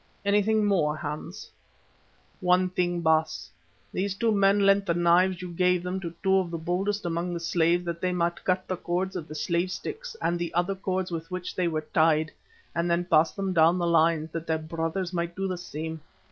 "Anything more, Hans?" "One thing, Baas. These two men lent the knives you gave them to two of the boldest among the slaves that they might cut the cords of the slave sticks and the other cords with which they were tied, and then pass them down the lines, that their brothers might do the same.